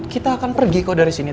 kita akan pergi kok dari sini